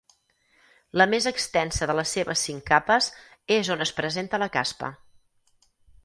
La més externa de les seves cinc capes és on es presenta la caspa.